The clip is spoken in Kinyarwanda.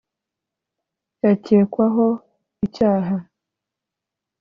yakekwaho icyaha